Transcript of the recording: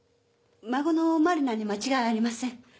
孫の真里菜に間違いありません。